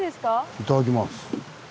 いただきます。